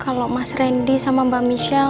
kalau mas randy sama mbak michelle